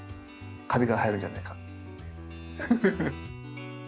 カビが生えるんじゃないかって。